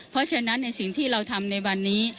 เพราะฉะนั้นในสิ่งที่เราทำในวันนี้